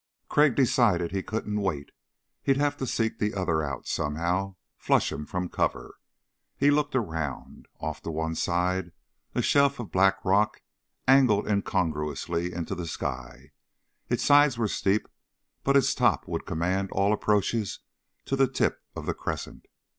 Crag decided he couldn't wait. He'd have to seek the other out, somehow flush him from cover. He looked around. Off to one side a shelf of black rock angled incongruously into the sky. Its sides were steep but its top would command all approaches to the tip of the crescent.